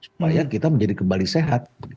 supaya kita menjadi kembali sehat